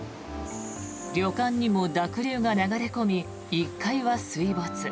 旅館にも濁流が流れ込み１階は水没。